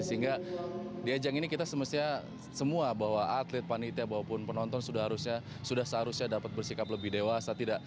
sehingga di ajang ini kita semestinya semua bahwa atlet panitia maupun penonton sudah seharusnya dapat bersikap lebih dewasa